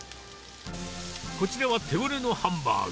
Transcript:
こちらは手ごねのハンバーグ。